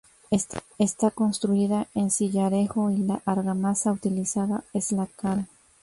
Está construida en sillarejo y la argamasa utilizada es la cal.